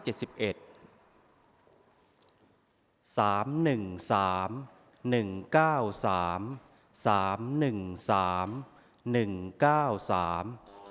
สามหนึ่งสามหนึ่งเก้าสาม